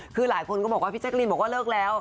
คือหลายคนก็บอกว่าพี่แจ๊กรีนบอกว่าเลิกแล้ว